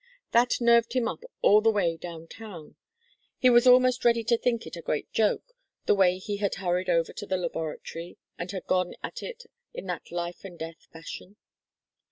That nerved him up all the way down town. He was almost ready to think it a great joke, the way he had hurried over to the laboratory and had gone at it in that life and death fashion.